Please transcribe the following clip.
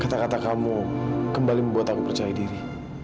kata kata kamu kembali membuat aku percaya diri